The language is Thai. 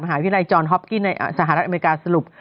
มหาวิทยาลัยจอนฮอปกิ้นในสหรัฐอเมริกาสรุป